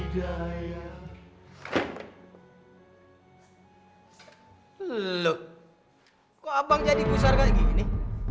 lho kok abang jadi besar kayak gini